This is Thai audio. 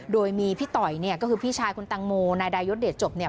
โดยมีพี่ต่อยเนี่ยก็คือพี่ชายคุณตังโมนายดายศเดชจบเนี่ย